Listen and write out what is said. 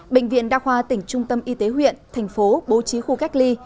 bệnh viện đa khoa tỉnh trung tâm y tế huyện thành phố bố trí khu cách ly